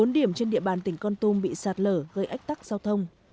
một mươi bốn điểm trên địa bàn tỉnh con tum bị sạt lở gây ách tắc giao thông